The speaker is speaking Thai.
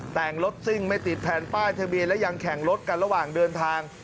แต่งรถซิ่งไม่ติดแผ่นป้ายทะเบียนและยังแข่งรถกันระหว่างเดินทาง